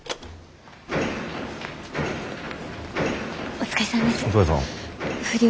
お疲れさんです。